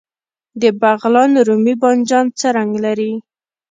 د بغلان رومي بانجان څه رنګ لري؟